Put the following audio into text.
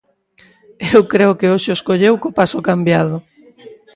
Eu creo que hoxe os colleu co paso cambiado.